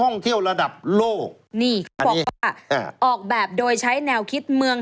นี่เราบอกว่าออกแบบโดยใช้เนี่ยวคิดเมือง